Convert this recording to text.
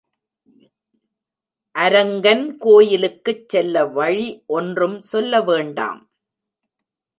அரங்கன் கோயிலுக்குச் செல்ல வழி ஒன்றும் சொல்ல வேண்டாம்.